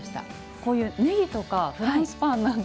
こういうねぎとかフランスパンなんか。